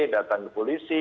datang ke polisi